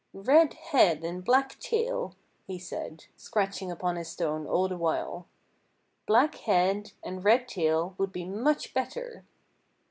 "Red head and black tail!" he said, scratching upon his stone all the while. "Black head and red tail would be much better."